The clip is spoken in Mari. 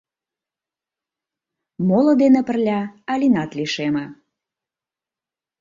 Моло дене пырля Алинат лишеме.